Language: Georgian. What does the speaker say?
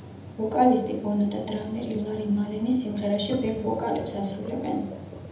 ვოკალისტი ბონო და დრამერი ლარი მალენი სიმღერაში ბეკ-ვოკალებს ასრულებენ.